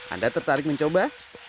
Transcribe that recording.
anda tertarik mencoba